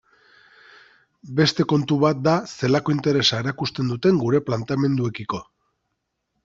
Beste kontu bat da zelako interesa erakusten duten gure planteamenduekiko.